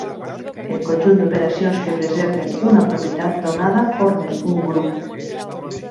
El conjunt d'operacions que preserven una propietat donada formen un grup.